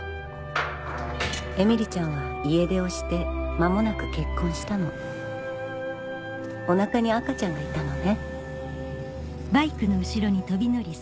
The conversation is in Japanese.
絵美里ちゃんは家出をして間もなく結婚したのおなかに赤ちゃんがいたのね。